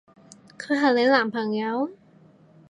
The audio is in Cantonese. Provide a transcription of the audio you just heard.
佢係你男朋友？